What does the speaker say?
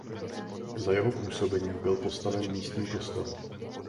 Za jeho působení byl postaven místní kostel.